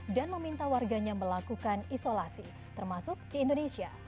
dan meminta warganya melakukan isolasi termasuk di indonesia